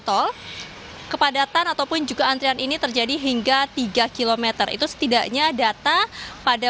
tol kepadatan ataupun juga antrian ini terjadi hingga tiga km itu setidaknya data pada